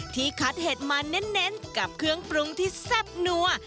ที่คัดเห็ดมาเน้นกับเครื่องปรุงที่แซ่บนัว